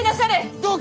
どうか！